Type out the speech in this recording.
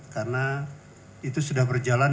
karena itu sudah berjalan